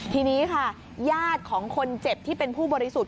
ทีนี้ค่ะญาติของคนเจ็บที่เป็นผู้บริสุทธิ์